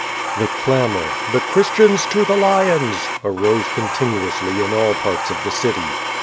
The clamor, "The Christians to the lions!" arose continu ously in all parts of the city.